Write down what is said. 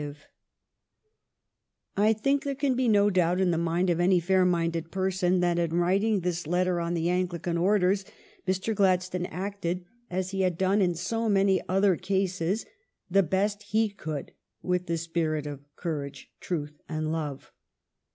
420 THE STORY OF GLADSTONE'S LIFE I think there can be no doubt in the mind of any fair minded person that in writing this letter on the Anglican orders Mr. Gladstone acted, as he had done in so many other cases, the best he could with the spirit of courage, truth, and love.